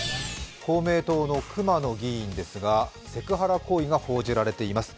公明党の熊野議員ですがセクハラ行為が報じられています。